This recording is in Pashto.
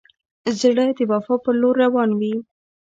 زړه د وفا پر لور روان وي.